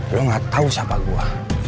lu gak tau siapa gua